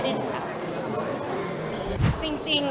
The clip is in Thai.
เป็นไหมครับ